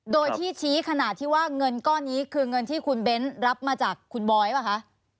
โดยที่ชี้ขนาดที่ว่าเงินก้อนนี้คือเงินที่คุณเบ้นรับมาจากคุณบอยป่ะคะ